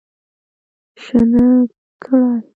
شنه کړی